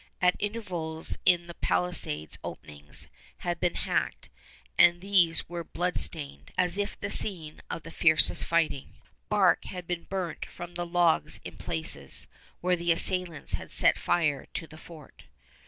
At intervals in the palisades openings had been hacked, and these were blood stained, as if the scene of the fiercest fighting. Bark had been burnt from the logs in places, where the assailants had set fire to the fort.